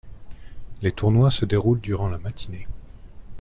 Les tournois se déroulent durant la matinée.